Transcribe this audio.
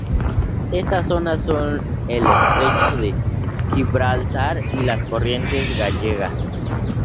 Estas zonas son el Estrecho de Gibraltar y las corrientes gallegas.